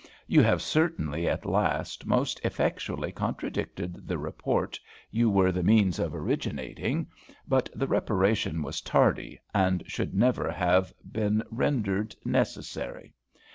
"You have certainly at last most effectually contradicted the report you were the means of originating, but the reparation was tardy, and should never have been rendered necessary.